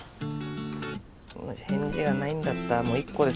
返事がないんだったら１個です。